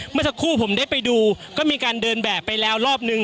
เมื่อสักครู่ผมได้ไปดูก็มีการเดินแบบไปแล้วรอบนึง